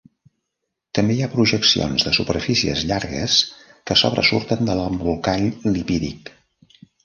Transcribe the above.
També hi ha projeccions de superfícies llargues que sobresurten de l'embolcall lipídic.